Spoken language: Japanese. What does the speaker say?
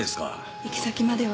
行き先までは。